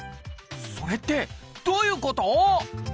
それってどういうこと？